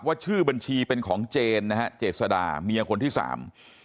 ชื่อบัญชีเป็นของเจนนะฮะเจษดาเมียคนที่สาม